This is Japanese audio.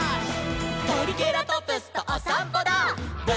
「トリケラトプスとおさんぽダー！！」